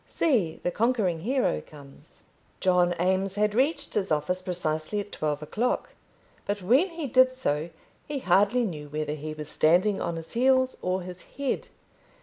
"SEE, THE CONQUERING HERO COMES." John Eames had reached his office precisely at twelve o'clock, but when he did so he hardly knew whether he was standing on his heels or his head.